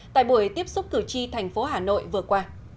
tại buổi tiếp xúc cử tri thành phố hà nội vừa qua